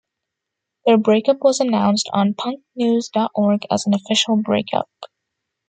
Their break-up was announced on punknews dot org as an official break-up.